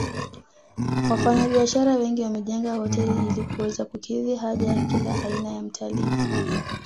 Wafanyabiashara wengi wamejenga hoteli ili kuweza kukidhi haja ya kila aina ya mtalii